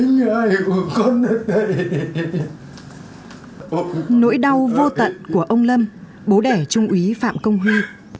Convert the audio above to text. nỗi đau vô tận của ông lâm bố đẻ trung úy phạm công huy